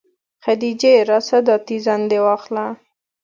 خديجې راسه دا تيزن دې واخله.